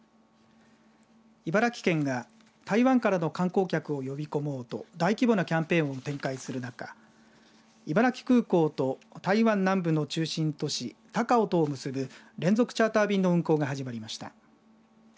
茨城県が台湾からの観光客を呼び込もうと大規模なキャンペーンを展開する中茨城空港と台湾南部の中心都市高雄とを結ぶ連続チャーター便の運航が始まりました。